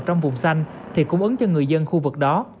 trong vùng xanh thì cung ứng cho người dân khu vực đó